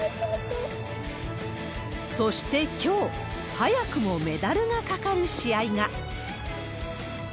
そして、きょう、早くもメダルが懸かる試合が。